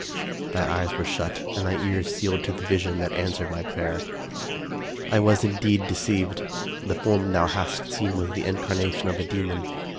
Thy eyes were shut and thy ears sealed to the vision that answered my prayer. " I was indeed deceived. The form thou hast seen was the incarnation of a demon.